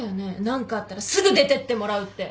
何かあったらすぐ出てってもらうって。